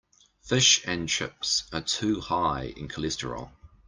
Fish and chips are too high in cholesterol.